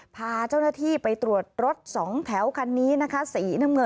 พาเจ้าหน้าที่ไปตรวจรถสองแถวคันนี้นะคะ